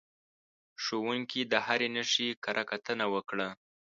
ښوونکي د هرې نښې کره کتنه وکړه.